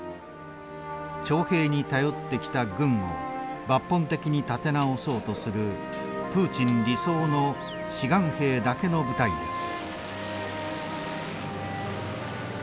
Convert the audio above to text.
徴兵に頼ってきた軍を抜本的に立て直そうとするプーチン理想の志願兵だけの部隊です。